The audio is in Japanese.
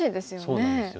そうなんですよ。